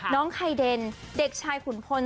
น้องไคเดนเด็กชายขุนพล